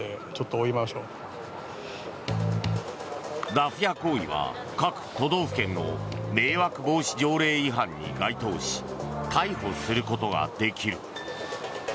ダフ屋行為は、各都道府県の迷惑防止条例違反に該当し逮捕することができる。